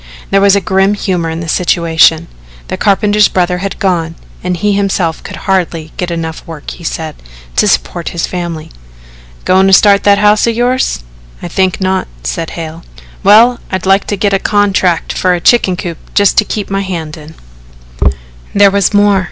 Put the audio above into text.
There was grim humour in the situation. The carpenter's brother had gone and he himself could hardly get enough work, he said, to support his family. "Goin' to start that house of yours?" "I think not," said Hale. "Well, I'd like to get a contract for a chicken coop just to keep my hand in." There was more.